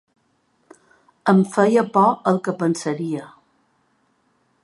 Em feia por el que pensaria.